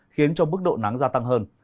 khiến cho bức độ nắng gia tăng hơn